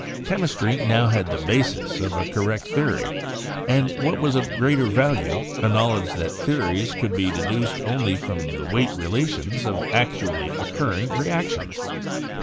Chemistry now had the basis of a correct theory; and what was of greater value, a knowledge that theories could be deduced only from the weight relations of ac tually occurring reactions.